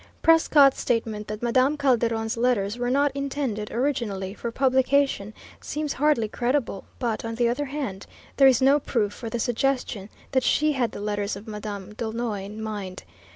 Prescott's statement that Madame Calderon's letters were not intended originally for publication seems hardly credible; but, on the other hand, there is no proof for the suggestion that she had the letters of Madame D'Aulnoy in mind.